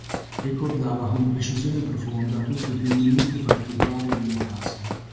Ricordava con precisione profonda tutti i più minuti particolari della casa.